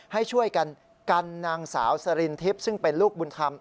ให้ช่วยกันกันนางสาวสรินทิพย์ซึ่งเป็นลูกบุญธรรม